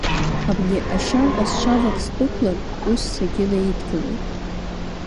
Абни ашьаҟа сҽавак сдәықәлан, ус сагьынаидгылеит.